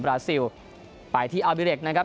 ราซิลไปที่อาบิเล็กนะครับ